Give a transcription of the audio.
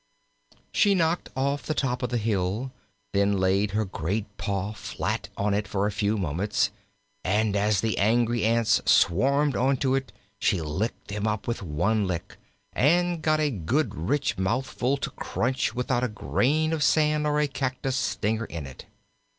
She knocked off the top of the hill, then laid her great paw flat on it for a few moments, and as the angry ants swarmed on to it she licked them up with one lick, and got a good rich mouthful to crunch without a grain of sand or a cactus stinger in it.